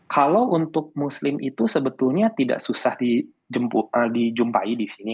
kalau untuk muslim itu sebetulnya tidak susah dijumpai di sini